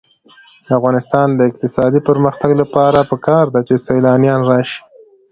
د افغانستان د اقتصادي پرمختګ لپاره پکار ده چې سیلانیان راشي.